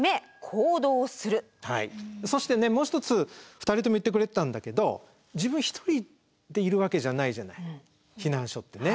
そしてねもう一つ２人とも言ってくれてたんだけど自分一人でいるわけじゃないじゃない避難所ってね。